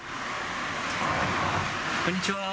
こんにちは。